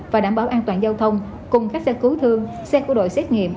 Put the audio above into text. và đảm bảo an toàn giao thông cùng các xe cứu thương xe của đội xét nghiệm